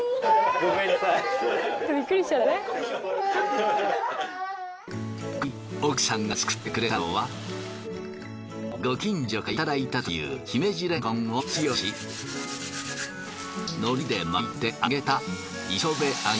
この日奥さんが作ってくれたのはご近所からいただいたという姫路レンコンをすりおろし海苔で巻いて揚げた磯辺揚げ。